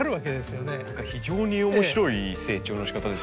非常に面白い成長のしかたですね。